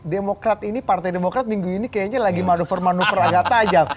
demokrat ini partai demokrat minggu ini kayaknya lagi manuver manuver agak tajam